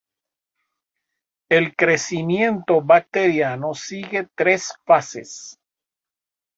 El crecimiento bacteriano sigue tres fases.